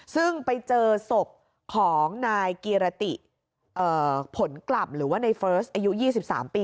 ซึ่งไปเจอศพของนายกิรติผลกลับหรือว่าในเฟิร์สอายุ๒๓ปี